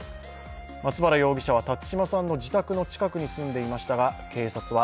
松原容疑者は辰島さんの自宅の近くに住んでいましたが、警察は